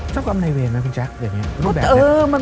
เจ้ากรรมในเวรมั้ยคุณแจ๊คเดี๋ยวเนี่ย